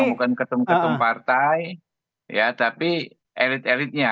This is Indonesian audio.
bukan ketum ketum partai tapi elit elitnya